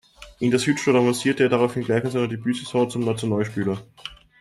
In der Südstadt avancierte er daraufhin gleich in seiner Debütsaison zum Nationalspieler.